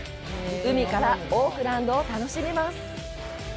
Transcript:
海からオークランドを楽しみます。